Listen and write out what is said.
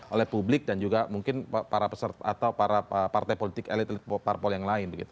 oleh publik dan juga mungkin para peserta atau para partai politik elite yang lain